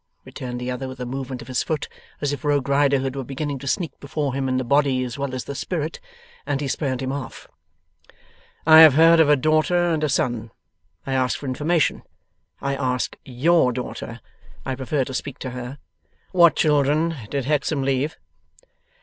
returned the other, with a movement of his foot, as if Rogue Riderhood were beginning to sneak before him in the body as well as the spirit, and he spurned him off. 'I have heard of a daughter, and a son. I ask for information; I ask YOUR daughter; I prefer to speak to her. What children did Hexam leave?